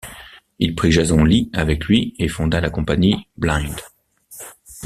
Il prit Jason Lee avec lui et fonda la compagnie Blind.